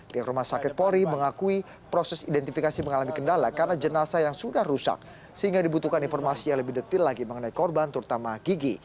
pihak rumah sakit polri mengakui proses identifikasi mengalami kendala karena jenazah yang sudah rusak sehingga dibutuhkan informasi yang lebih detil lagi mengenai korban terutama gigi